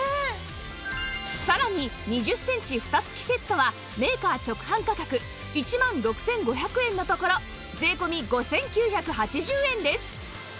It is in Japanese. さらに２０センチフタ付きセットはメーカー直販価格１万６５００円のところ税込５９８０円です